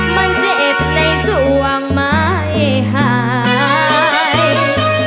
มันเจ็บในส่วงไม่หาย